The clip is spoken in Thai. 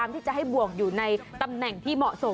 ที่จะให้บวกอยู่ในตำแหน่งที่เหมาะสม